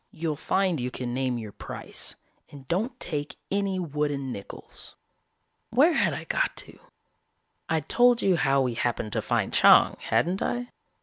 You'll find you can name your price and don't take any wooden nickels. "Where had I got to? I'd told you how we happened to find Chang, hadn't I?